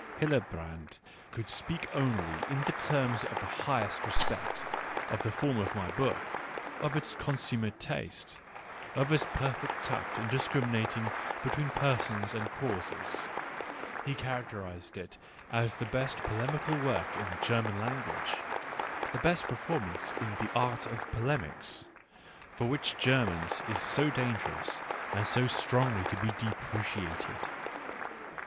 Hillebrand could speak only in the terms of the highest re spect, of the form of my book, of its consummate taste, of its perfect tact in discriminating between persons and causes : he characterised it as the best polemical work in the German language, — the best performance in the art of polemics, which for Digitized by Google WHY I WRITE SUCH EXCELLENT BOOKS 79 Germans is so dangerous and so strongly to be deprecated.